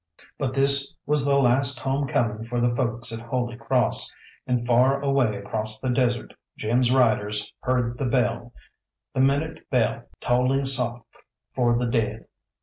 But this was the last home coming for the folks at Holy Cross, and far away across the desert Jim's riders heard the bell the minute bell tolling soft for the dead.